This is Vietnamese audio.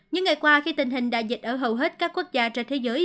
những ngày qua khi tình hình đại dịch ở hầu hết các quốc gia trên thế giới